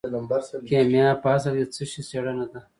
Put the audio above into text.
کیمیا په اصل کې د څه شي څیړنه ده.